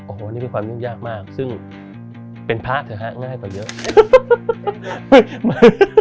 โอ้โหนี่มีความยุ่งยากมากซึ่งเป็นพระเถอะฮะง่ายกว่าเยอะ